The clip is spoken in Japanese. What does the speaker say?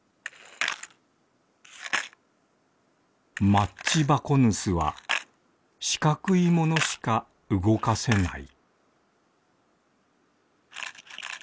マッチバコヌスはしかくいものしかうごかせない